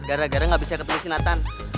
gara gara nggak bisa ketemu si nathan